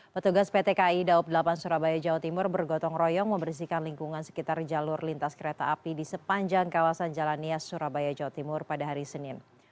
petugas pt kai daob delapan surabaya jawa timur bergotong royong membersihkan lingkungan sekitar jalur lintas kereta api di sepanjang kawasan jalan nias surabaya jawa timur pada hari senin